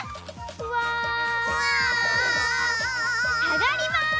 さがります。